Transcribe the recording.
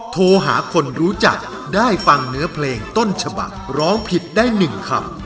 โทรหาคนรู้จักได้ฟังเนื้อเพลงต้นฉบักร้องผิดได้๑คำ